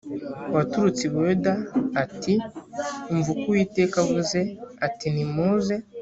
waturutse i buyuda ati umva uko uwiteka avuze ati nimuze